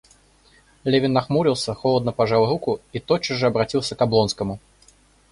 Левин нахмурился, холодно пожал руку и тотчас же обратился к Облонскому.